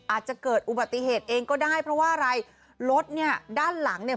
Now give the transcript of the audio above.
อาจจะเกิดอุบัติเหตุเองก็ได้เพราะว่าอะไรรถเนี่ยด้านหลังเนี่ย